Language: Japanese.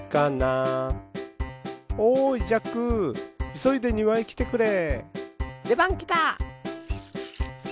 いそいでにわへきてくれ。